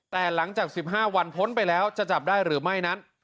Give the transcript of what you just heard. แต่หลังจาก๑๕วันพ้นไปแล้วจะจับได้หรือไม่นั้น